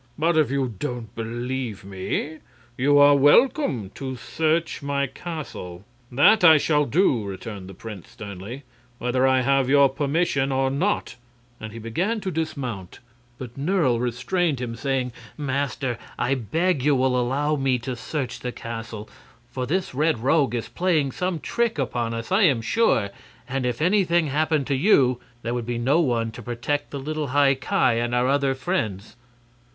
But, if you don't believe me, you are welcome to search my castle." "That I shall do," returned the prince, sternly, "whether I have your permission or not," and he began to dismount. But Nerle restrained him, saying: "Master, I beg you will allow me to search the castle. For this Red Rogue is playing some trick upon us, I am sure, and if anything happened to you there would be no one to protect the little High Ki and our other friends."